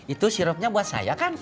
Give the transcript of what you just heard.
itu sirupnya buat saya kan